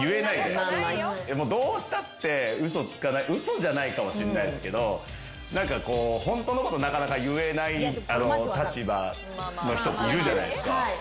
どうしたって嘘つかない嘘じゃないかもしんないですけどホントのことなかなか言えない立場の人っているじゃないですか。